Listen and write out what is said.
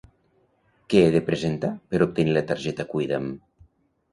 Què he de presentar per obtenir la targeta Cuida'm?